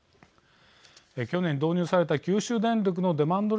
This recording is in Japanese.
去年導入された九州電力のデマンド